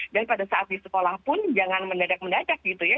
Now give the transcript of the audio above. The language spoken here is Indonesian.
dan pada saat di sekolah pun jangan mendadak mendadak gitu ya